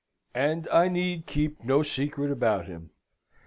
" And I need keep no secret about him.